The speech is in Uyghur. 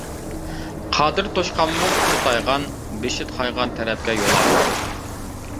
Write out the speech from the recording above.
قادىر توشقانمۇ پۇتى تايغان، بېشى قايغان تەرەپكە يول ئاپتۇ.